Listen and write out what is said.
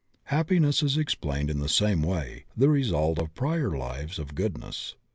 Happiness is explained in the same way: the result of prior lives of goodness.